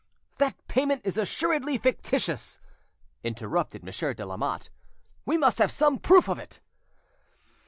"That payment is assuredly fictitious," interrupted Monsieur de Lamotte; "we must have some proof of it."